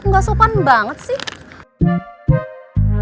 gak sopan banget sih